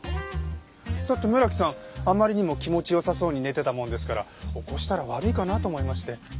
だって村木さんあまりにも気持ち良さそうに寝てたものですから起こしたら悪いかなと思いまして。